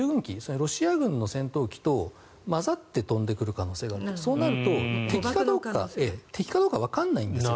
ロシア軍の戦闘機と交ざって飛んでくる可能性があるそうなると敵かどうかわからないんです。